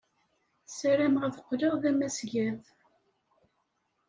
Ssarameɣ ad qqleɣ d amasgad.